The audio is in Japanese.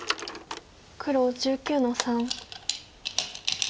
黒１９の三。